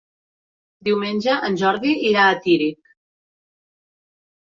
Diumenge en Jordi irà a Tírig.